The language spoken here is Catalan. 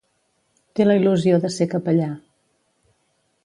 Té la il·lusió de ser capellà.